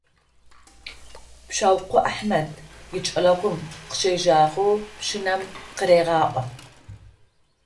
Пщаукъо Ахьмэд икӏэлэгъум къыщегъэжьагъэу пщынэм къырегъаӏо.